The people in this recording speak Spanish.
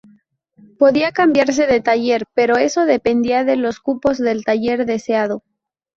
Podía cambiarse de taller, pero eso dependía de los cupos del taller deseado.